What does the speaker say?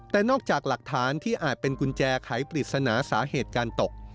แต่นอกจากหลักฐานที่อาจเป็นกุญแจไขปริศนาสาเหตุการตก